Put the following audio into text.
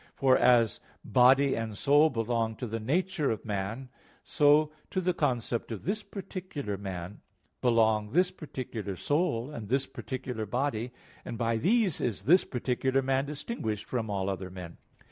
For as body and soul belong to the nature of man, so to the concept of this particular man belong this particular soul and this particular body; and by these is this particular man distinguished from all other men.